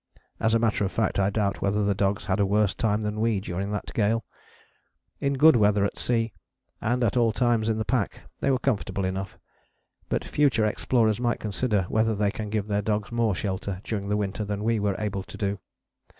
As a matter of fact I doubt whether the dogs had a worse time than we during that gale. In good weather at sea, and at all times in the pack, they were comfortable enough. But future explorers might consider whether they can give their dogs more shelter during the winter than we were able to do.